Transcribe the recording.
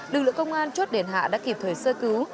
lực lượng công an chốt đền hạ đã kịp thời sơ cứu